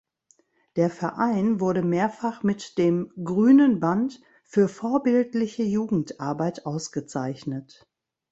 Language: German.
Der Verein wurde mehrfach mit dem „Grünen Band“ für vorbildliche Jugendarbeit ausgezeichnet.